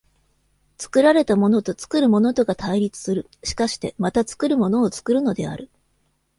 作られたものと作るものとが対立する、しかしてまた作るものを作るのである。